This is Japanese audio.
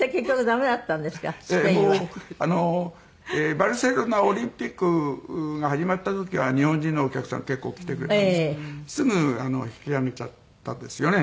バルセロナオリンピックが始まった時は日本人のお客さん結構来てくれたんですがすぐ引き揚げちゃったんですよね